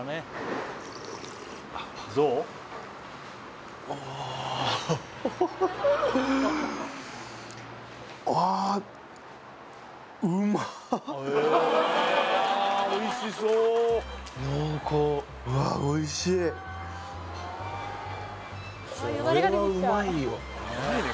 あああ濃厚うわっおいしいこれはうまいよ